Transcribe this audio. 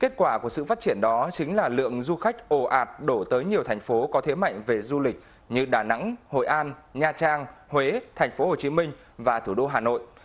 kết quả của sự phát triển đó chính là lượng du khách ồ ạt đổ tới nhiều thành phố có thế mạnh về du lịch như đà nẵng hội an nha trang huế tp hcm và thủ đô hà nội